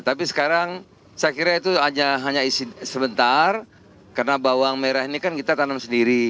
tapi sekarang saya kira itu hanya isi sebentar karena bawang merah ini kan kita tanam sendiri